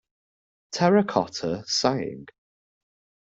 Terracotta Sighing.